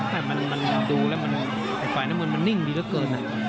มันดูแล้วไฟน้ำมือมันนิ่งดีเท่าเกิน